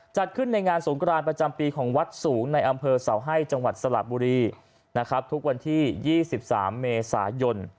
จัดขึ้นในงานสงกรานประจำปีของวัดสูงในอำเภอเสาให้จังหวัดสระบุรีนะครับทุกวันที่๒๓เมษายน